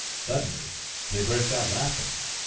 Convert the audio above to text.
Suddenly they burst out laughing.